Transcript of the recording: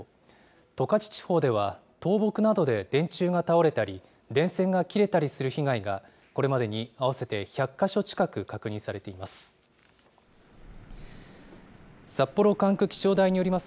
十勝地方では、倒木などで電柱が倒れたり、電線が切れたりする被害が、これまでに合わせて１００か所近く確認されています。